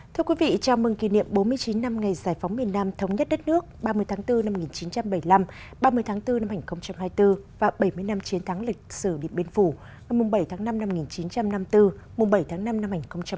thưa quý vị chào mừng kỷ niệm bốn mươi chín năm ngày giải phóng miền nam thống nhất đất nước ba mươi tháng bốn năm một nghìn chín trăm bảy mươi năm ba mươi tháng bốn năm hai nghìn hai mươi bốn và bảy mươi năm chiến thắng lịch sử điện biên phủ ngày bảy tháng năm năm một nghìn chín trăm năm mươi bốn bảy tháng năm năm hai nghìn hai mươi bốn